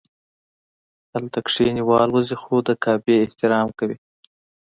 هلته کښیني والوځي خو د کعبې احترام کوي.